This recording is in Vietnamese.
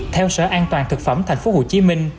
theo sở an toàn thực phẩm thành phố hồ chí minh